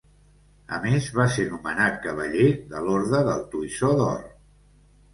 A més va ser nomenat cavaller de l'Orde del Toisó d'Or.